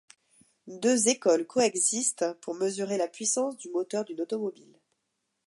Deux écoles coexistent pour mesurer la puissance du moteur d'une automobile.